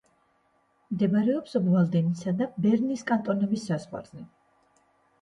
მდებარეობს ობვალდენისა და ბერნის კანტონების საზღვარზე.